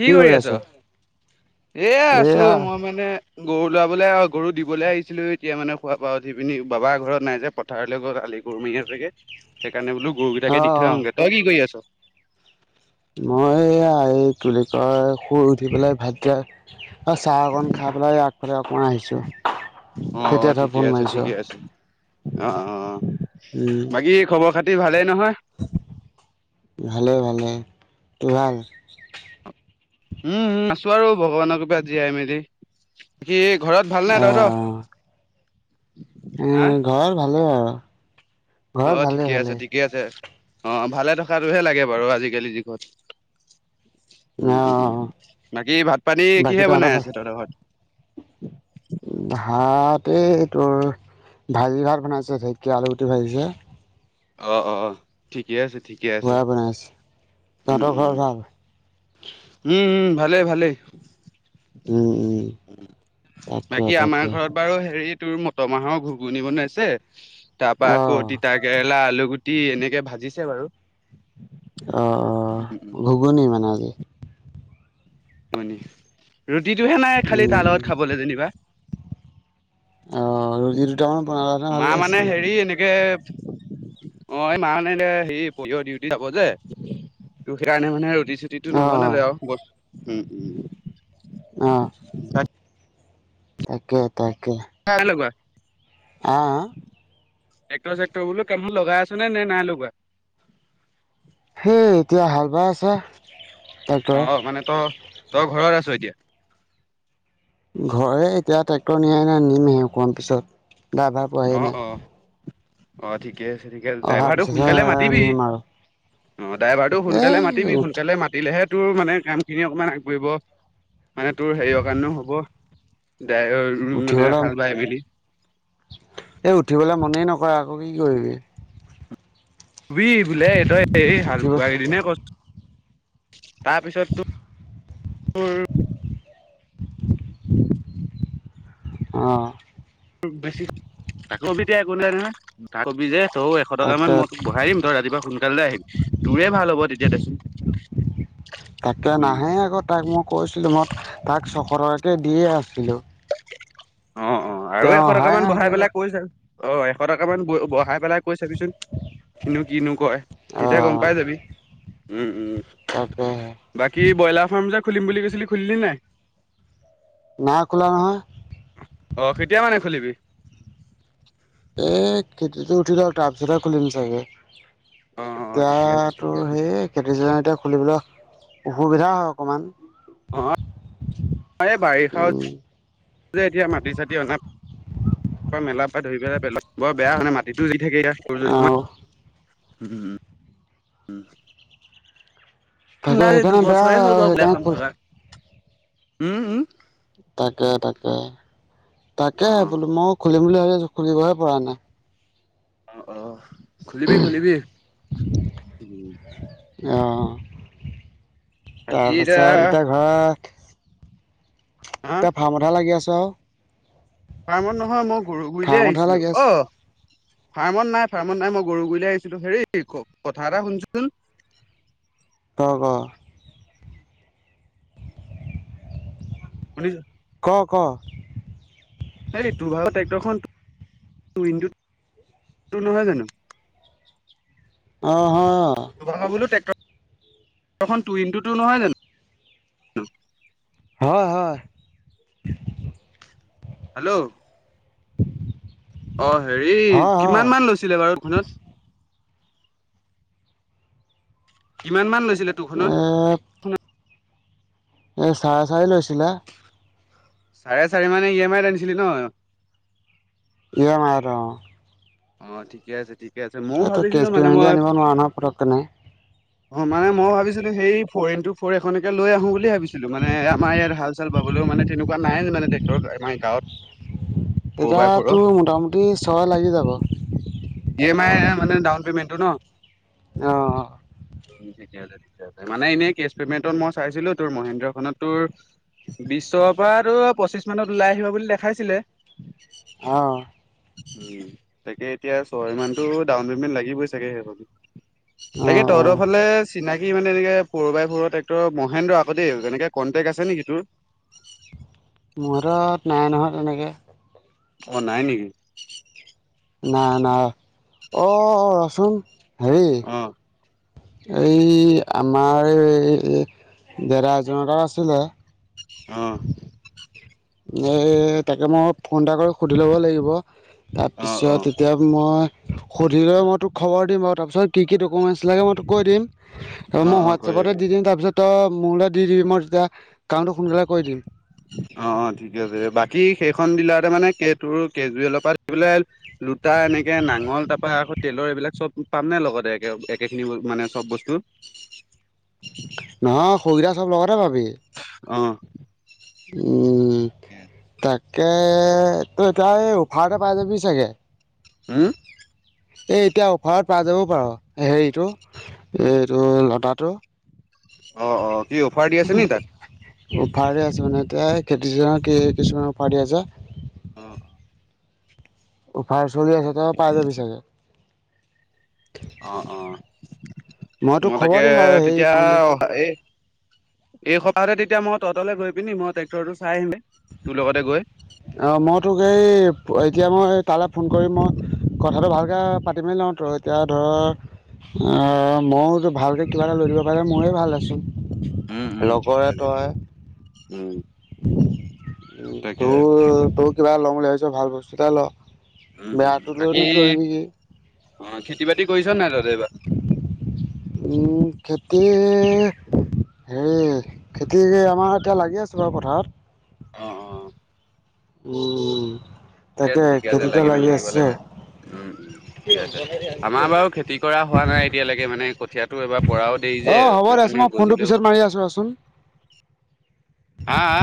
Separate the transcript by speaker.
Speaker 1: কি কৰি আছ? এ আছো
Speaker 2: এয়া
Speaker 1: মই মানে গৰু লোৱাবলৈ গৰু দিবলৈ আহিছিলো এতিয়া মানে খোৱা পা উঠি পিনি। বাবাৰ ঘৰত নাই যে পথাৰলৈ গ গৰু [unintelligible] সেইকাৰণে বোলো গৰু
Speaker 2: অ
Speaker 1: গেইটাকে দি থৈ আহোগে। তই কি কৰি আছ?
Speaker 2: মই এইয়াই কি বুলি কয় শুই উঠি পেলাই ভাত দিয়া অ চাহ অকন খাই পেলাই আগফালে অকমান আহিছো
Speaker 1: অ
Speaker 2: তেতিয়া ত
Speaker 1: ঠিকে
Speaker 2: ফোন
Speaker 1: আছে
Speaker 2: মাৰিছ।
Speaker 1: ঠিকে আছে অ অ অ
Speaker 2: উম
Speaker 1: বাকী খবৰ খাতি ভালেই। নহয়?
Speaker 2: ভালে ভালে ত ভাল
Speaker 1: উম আছো আৰু ভগৱানৰ কৃপাত জীয়াই মেলি বাকি ঘৰত ভালনে তহত?
Speaker 2: উম ঘৰত ভালে বাৰু।
Speaker 1: অ ঠিকে আছে ঠিকে আছে। অ ভালে থকাটোহে লাগে বাৰু আজিকালি যোগত।
Speaker 2: অ
Speaker 1: উম উম উম বাকী ভাত পানী
Speaker 2: বাকী
Speaker 1: কিহে বনাই
Speaker 2: ভাল?
Speaker 1: আছে তহঁতৰ ঘৰত?
Speaker 2: ভাত এই তোৰ ভাজি ভাত বনাইছে দেকিয়া আলুগুটি ভাজিছে।
Speaker 1: অ অ অ ঠিকেই আছে ঠিকে আছে
Speaker 2: সেয়াই বনাইছে।
Speaker 1: উম
Speaker 2: তহঁতৰ ঘৰত
Speaker 1: উম
Speaker 2: ভাল?
Speaker 1: উম হম ভালে ভালে।
Speaker 2: উম উম তাকে
Speaker 1: বাকী আমাৰ
Speaker 2: তাকে।
Speaker 1: ঘৰত বাৰু হেৰিত তোৰ মটৰ মাহৰ ঘুগুনি বনাইছে, তাৰ পৰা আকৌ
Speaker 2: অ
Speaker 1: তিতা কেৰেলা, আলু গুটি এনেকে ভাজিছে বাৰু।
Speaker 2: অ অ
Speaker 1: উম উম
Speaker 2: ঘুগুনি মানে আজি।
Speaker 1: হয় ৰুটিটোহে নাই খালি
Speaker 2: উম
Speaker 1: তাৰ লগত খাবলৈ যেনিবা।
Speaker 2: আহ ৰুটি দুটামান বনাই লোৱা হেতেন
Speaker 1: মা
Speaker 2: ভালে
Speaker 1: মানে
Speaker 2: আছিলে।
Speaker 1: হেৰি এনেকে
Speaker 2: [unintelligible]
Speaker 1: অ এই মা মানে এতিয়া সেৰি পলিঅ ডিউটি যাব যে ত সেইকাৰণে মানে ৰুত ৰুটিটো
Speaker 2: অ
Speaker 1: নবনালে আৰু বত উম উম
Speaker 2: অহঁ। তাকে তাকে।
Speaker 1: নাই লগোৱা
Speaker 2: অ।
Speaker 1: ট্ৰেক্টৰ চেক্টৰ বোলো কামত লগাই আছ নে নে নাই লগোৱা?
Speaker 2: সেই এতিয়া হাল বাই আছে ট্ৰেক্টৰে
Speaker 1: অ মানে তই তই ঘৰত আ- ছ এতিয়া।
Speaker 2: ঘৰে এতিয়া ট্ৰেক্টৰ নিয়া নাই নিমহে অকমান পিছত ড্ৰাইভাৰ পোৱাহি
Speaker 1: অ', অ',
Speaker 2: নাই।
Speaker 1: অ ঠিকে আছে ঠিকে আছে
Speaker 2: অহাৰ
Speaker 1: ড্ৰাইভাৰটো
Speaker 2: পিছতহে
Speaker 1: সোনকালে মাতিবি।
Speaker 2: নিম আৰু
Speaker 1: অ ড্ৰাইভাৰটো সোনকালে
Speaker 2: এই
Speaker 1: মাতিবি, সোনকালে মাতিলেহে তোৰ মানে কাম খিনি অকণমান আগবঢ়িব। মানে তোৰ হেৰিয়ৰ কাৰণেও হ'ব। দাইৰ মানে
Speaker 2: উঠিবলৈ
Speaker 1: হাল বাই মেলি।
Speaker 2: এই উঠিবলৈ মনেই নকৰে আকৌ কি কৰিবি।
Speaker 1: বি বোলে তই এই হাল
Speaker 2: উঠিব
Speaker 1: বোৱাই দিনা কছো তাৰপিছত তোৰ তোৰ
Speaker 2: অহ।
Speaker 1: বেছি তাকবিতে [unintelligible] কাকবি যে তৌ এশ টকামান
Speaker 2: তাকে
Speaker 1: মই তোক বঢ়াই দিম, তই ৰাতিপুৱা সোনকালে আহিবি তোৰে ভাল হ'ব তেতিয়া দেচোন।
Speaker 2: তাকে
Speaker 1: উম,
Speaker 2: নাহে আকৌ তাক মই কৈছিলো। মই তাক সৰহকে দিয়ে আছিলোঁ।
Speaker 1: অ অ আৰু
Speaker 2: তেওঁ
Speaker 1: এশ
Speaker 2: অহাই
Speaker 1: টকামান
Speaker 2: নাই
Speaker 1: বহাই
Speaker 2: এতিয়ালৈকে
Speaker 1: পেলাই কৈছা অ এশ টকামান ব বহাই পেলাই কৈ চাবিচোন কিনো কিনো কয় তেতিয়া গম
Speaker 2: অ',
Speaker 1: পাই যাবি উম উম।
Speaker 2: তাকেহে
Speaker 1: বাকী ব্ৰইলাৰ ফাৰ্ম যে খুলিম বুলি কৈছিলি খুলিলি নাই?
Speaker 2: নাই খোলা নহয়।
Speaker 1: অ কেতিয়া মানে খুলিবি?
Speaker 2: এ খেতিতো উঠিলওক টাৰ পাছত হে খুলিম চাগে।
Speaker 1: অ অ ঠিকে আছে
Speaker 2: এতিয়াতো
Speaker 1: ঠিকে আছে
Speaker 2: সেই খেতি চিজেন এতিয়া খুলিবলৈ অসুবিধা হয় অকমান।
Speaker 1: হ [unintelligible] প্ৰ বাৰিষা
Speaker 2: উম,
Speaker 1: যে এতিয়া মাটি চাটি অপ মেলা [unintelligible] ধৰি পেলাই পেল, বৰ বেয়া মানে মাটিতটো দি থাকে যদি তোমাৰ
Speaker 2: আৰু
Speaker 1: [unintelligible] হম উম।
Speaker 2: তাকে
Speaker 1: নাৰ এই
Speaker 2: সেইকাৰণে বেয়া
Speaker 1: দুবছৰে
Speaker 2: হয়
Speaker 1: হ'ল
Speaker 2: আৰু
Speaker 1: বাৰু বোলো
Speaker 2: সেইকাৰণে
Speaker 1: এখন
Speaker 2: খোল
Speaker 1: থকা। উম উ?
Speaker 2: তাকে তাকে তাকে,
Speaker 1: অ
Speaker 2: বোলো মই খুলিম বুলি ভাবি খুলিবহে পৰা নাই।
Speaker 1: অ অ খুলিবি খুলিবি।
Speaker 2: অ', তাৰপাছত এতিয়া ঘৰত
Speaker 1: হা
Speaker 2: এতিয়া ফাৰ্মতে লাগি আছো আও।
Speaker 1: ফাৰ্মত নহয় মই গৰু গুৰিলে
Speaker 2: ফাৰ্মতহে
Speaker 1: আহিছিলো
Speaker 2: লাগি আছোঁ।
Speaker 1: অ। ফাৰ্মত নাই ফাৰ্মত নাই মই গৰু গুৰিলৈ আহিছিলো। হেৰি কথা এটা শুনচোন
Speaker 2: [inaudible] হব।
Speaker 1: শুনিছা।
Speaker 2: অ' ক
Speaker 1: হে তোৰ ভাগ ট্ৰেক্টৰ খন উইণ্ডো টো নহয় জানো।
Speaker 2: অঁ অঁ।
Speaker 1: তহঁতখন টু ইনটু টু নহয় জানো
Speaker 2: হয় হয়
Speaker 1: হেল্ল' অঁ হেৰী
Speaker 2: হয়।
Speaker 1: কিমান মান লৈছিলে বাৰু এইখনত কিমান মান লৈছিলে তোৰখনত
Speaker 2: এ চাৰে চাৰি লৈছিলে।
Speaker 1: চাৰে চাৰি মানে ই এমাইত আনিছিলি ন।
Speaker 2: ই এমাইত অঁ।
Speaker 1: অঁ ঠিকে আছে। ঠিকে আছে মওঁ
Speaker 2: এইটো
Speaker 1: ভাবিছিলো
Speaker 2: কেছ
Speaker 1: মানে
Speaker 2: পে'মেণ্ট দি
Speaker 1: মই
Speaker 2: আনিব নোৱাৰা নহয় পটককেনে
Speaker 1: অঁ মানে মই ভাবিছিলো সেই। ফৰ ইন টু ফৰ এ এখনকে লৈ আহোঁ বুলি ভাবিছিলোঁ। মানে আমাৰ ইয়াত হাল চাল বাবলৈও মানে তেনেকুৱা নাই মানে টেক্টৰ মানে গাঁৱত। ফ'ৰ
Speaker 2: এতিয়া
Speaker 1: বাই ফ'ৰ
Speaker 2: তোৰ মোটামুটি ছয় লাগি যাব।
Speaker 1: ই এম আই মানে ডাউন পেমেন্টটো ন
Speaker 2: অহ
Speaker 1: উম ঠিকে আছে ঠিকে আছে, মানে এনেই কেছ পেমেন্টত মই চাইছিলো তোৰ মহেন্দ্ৰখনত তোৰ বিশৰ পৰাতো, পঁচিছ মানত ওলাই আহিব বুলি দেখাইছিলে!
Speaker 2: অহ
Speaker 1: উম তাকে এতিয়া ছয় মানটো ডাউন পেমেন্ট লাগিবই চাগে সেইখন তাকে তহঁতৰ
Speaker 2: অঁ
Speaker 1: ফালে চিনাকি কি মানে এনেকে ফৰ বাই ফৰৰ টেক্টৰৰ মহেন্দ্ৰ আকৌ দেই তেনেকে কণ্টেক আছে নেকি তোৰ
Speaker 2: মোৰ হাতত নাই নহয় তেনেকে
Speaker 1: অঁ নাই নেকি!
Speaker 2: নাই নাই অ ৰচোন হেৰি
Speaker 1: অ',
Speaker 2: এই আমাৰ দেদা এজনৰ তাত আছিলে
Speaker 1: অহ
Speaker 2: এই তাকে মই ফোন এটা কৰি সুধি ল'ব লাগিব।
Speaker 1: অ',
Speaker 2: তাপিছত
Speaker 1: অ',
Speaker 2: এতিয়া মই সুধি লৈ মই তোক খবৰ দিম বাৰু তাপিছতে কি কি ডকমেণ্টছ লাগে মই তোক কৈ দিম। তাপা মই
Speaker 1: অ', অ',
Speaker 2: হোৱাটছাপতে
Speaker 1: কৰিবি
Speaker 2: দি দিম তাপিছত তই মোলে দি দিবি মই তেতিয়া কামটো সোনকালে কৰি দিম।
Speaker 1: অঁ অঁ ঠিকে আছে বাকী সেইখন দিলাৰতে মানে কে তোৰ কেজুৱেলৰ পা লে লোটা এনেকে নাঙল তাপা তেলৰ এইবিলাক চব পাম নে লগতে একে একেখিনি মানে চব বস্তু
Speaker 2: নহয় সুবিধা চব লগতে পাবি
Speaker 1: অঁ।
Speaker 2: উম তাক। কে তই এতিয়া এই অফাৰতে পাই যাবি চাগে
Speaker 1: হোম
Speaker 2: এ এতিয়া অফাৰত পাই যাবও পাৰ হেৰিটো এইটো লতাটো
Speaker 1: অ', অ', কি অফাৰ দি আছে নি তাত?
Speaker 2: অফাৰে আছে মানে এ খেতি ছিজনৰ কি কিছুমান অফাৰ দি আছে
Speaker 1: অ', অ',
Speaker 2: অফাৰ চলি আছে তই পাই যাবি চাগে
Speaker 1: অঁ অঁ
Speaker 2: তোক
Speaker 1: মই
Speaker 2: খবৰ
Speaker 1: তাকে
Speaker 2: দিম বাৰু হেৰি
Speaker 1: তেতিয়া
Speaker 2: কি বুলি
Speaker 1: অঁ এই! ! এই সপ্তাহতে তেতিয়া মই তহঁতলে গৈ পিনি মই ট্ৰেক্টৰটো চাই আহিমগে তো লগতে গৈ
Speaker 2: অ মই তোক এই এতিয়া মই তালে ফোন কৰিম মই কথাটো ভালকে পাতি মেলি লওঁ ত এতিয়া ধৰ অ মইতো ভালকে কিবা এটা লৈ দিব পাৰিলে ময়ে ভাল
Speaker 1: উম
Speaker 2: আছিল।
Speaker 1: উম ঠিকে
Speaker 2: লগৰে
Speaker 1: আছে
Speaker 2: তই
Speaker 1: ঠিকে আছে। উম।
Speaker 2: উ
Speaker 1: তাকে
Speaker 2: তোৰ তোৰ কিবা লওঁ বুলি ভাবিছ ভাল বস্তুতাই ল।
Speaker 1: উম উম
Speaker 2: বেয়াটো
Speaker 1: বাকী
Speaker 2: লৈনো কৰিবি কি?
Speaker 1: অ খেতি বাতি কৰিছ নাই তহতে এইবাৰ?
Speaker 2: উম খেতি হে খেতি আমাৰ এতিয়া লাগি আছে বাৰু পথাৰত।
Speaker 1: অ অ।
Speaker 2: উম
Speaker 1: ঠিকে
Speaker 2: তাকে
Speaker 1: আছে ঠিকে আছে
Speaker 2: খেতিতে
Speaker 1: মেলি
Speaker 2: লাগি
Speaker 1: থাকিব
Speaker 2: আছো আও।
Speaker 1: লাগে উম ঠিকে আছে আমাৰ বাৰু খেতি কৰা হোৱা নাই এতিয়ালৈকে, মানে কঠীয়াটো এবাৰ পৰাও দেৰি
Speaker 2: অ
Speaker 1: যে
Speaker 2: হ'ব
Speaker 1: সেইটো
Speaker 2: দে ছোন
Speaker 1: কাৰণে
Speaker 2: মই ফোনটো
Speaker 1: গজিলেও
Speaker 2: পিছত মাৰি আছোঁ ৰছোন।
Speaker 1: হা হা?